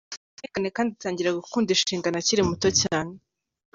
Yanga akarengane kandi atangira gukunda inshingano akiri muto cyane.